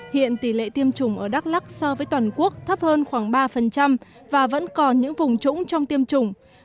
hiện tỷ lệ tiêm chủng ở đắk lắc so với toàn quốc thấp hơn khoảng ba và vẫn còn những vùng trũng trong tiêm chủng